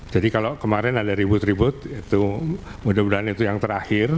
jadi kalau kemarin ada ribut ribut itu mudah mudahan itu yang terakhir